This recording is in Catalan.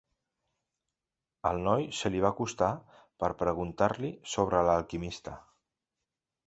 El noi se li va acostar per preguntar-li sobre l'alquimista.